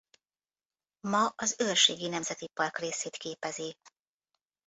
Ma az Őrségi Nemzeti Park részét képezi.